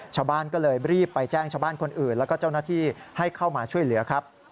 ชาวบ้านก็เลยรีบไปแจ้งชาวบ้านคนอื่นแล้วก็เจ้าหน้าที่ให้เข้ามาช่วยเหลือครับ